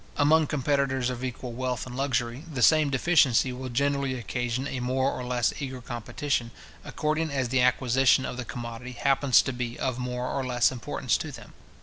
Among competitors of equal wealth and luxury, the same deficiency will generally occasion a more or less eager competition, according as the acquisition of the commodity happens to be of more or less importance to them.